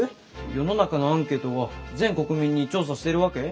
世の中のアンケートは全国民に調査してるわけ？